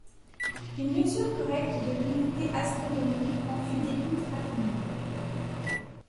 Une mesure correcte de l'unité astronomique en fut déduite rapidement.